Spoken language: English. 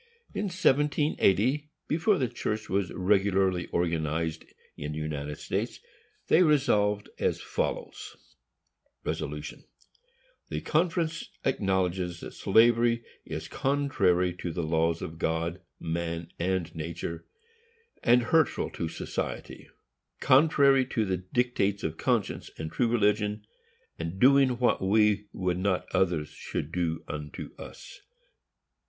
In 1780, before the church was regularly organized in the United States, they resolved as follows: The conference acknowledges that slavery is contrary to the laws of God, man and nature, and hurtful to society; contrary to the dictates of conscience and true religion; and doing what we would not others should do unto us.